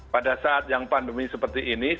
pada saat yang pandemi seperti ini